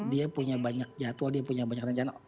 dia punya banyak jadwal dia punya banyak rencana